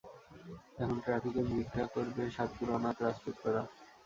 এখন ট্রাফিকে ভিক্ষা করবে সাত্তুর অনাথ রাজপুত্ররা।